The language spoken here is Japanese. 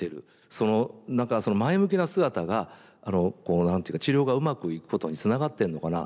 その前向きな姿が何て言うか治療がうまくいくことにつながってんのかな。